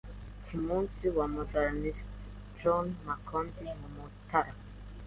ku musizi wa moderniste Joseph Macleod muri Mutarama